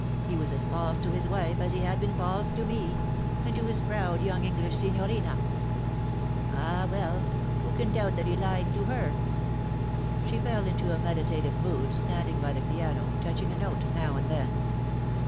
He was as false to his wife as he had been false to me, and to his proud young English signorina ; ah, well ! who can doubt that he lied to her?" She fell into a meditative mood, standing by the piano, touch ing a note now and then.